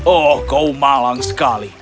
oh kau malang sekali